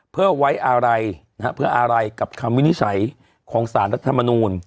เพื่อเอาไว้อะไรกับความวินิจฉัยของสารรัฐมนูล